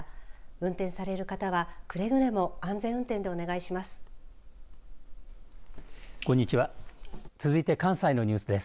運転される方はくれぐれも安全運転でお願いします。